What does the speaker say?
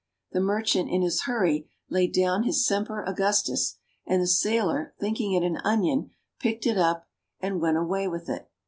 The merchant in his hurry laid down his Semper Augustus, and the sailor, thinking it an onion, picked it up and went away with it.